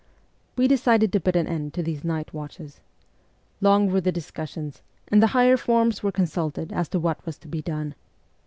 We decided to put an end to these night watches. Long were the discussions, and the higher forms were consulted as to what was to be done.